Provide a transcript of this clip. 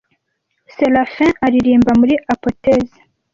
seraphim aririmba muri apotheose